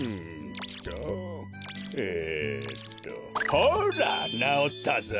ほらなおったぞ！